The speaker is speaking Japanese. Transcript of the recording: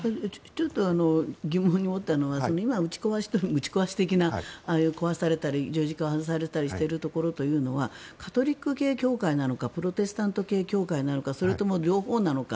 ちょっと疑問に思ったのは今、打ち壊し的なああいう壊されたり十字架を外されたりしているところというのはカトリック系教会なのかプロテスタント系教会なのかそれとも両方なのか。